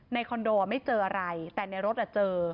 คอนโดไม่เจออะไรแต่ในรถเจอ